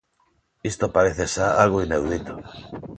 Isto parece xa algo inaudito.